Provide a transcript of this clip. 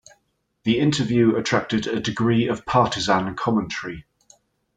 The interview attracted a degree of partisan commentary.